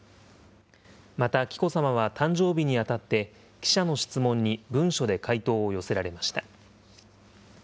また、紀子さまは誕生日にあたって、記者の質問に文書で回答を寄せられました。